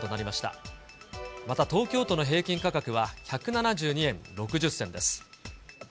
また、東京都の平均価格は、１７２円６０銭です。